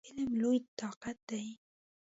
علم لوی طاقت دی!